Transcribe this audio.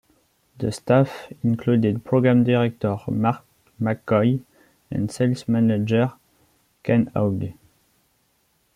The staff included program director Marc McCoy and sales manager Ken Hoag.